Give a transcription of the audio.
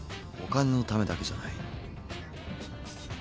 お金のためだけじゃない。